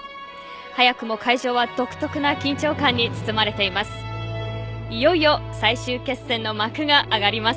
早くも会場は独特な緊張感に包まれています。